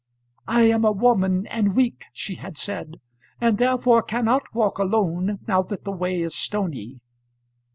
"I am a woman, and weak," she had said, "and therefore cannot walk alone, now that the way is stony."